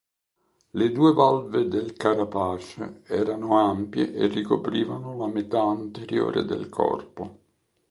Le due valve del carapace erano ampie e ricoprivano la metà anteriore del corpo.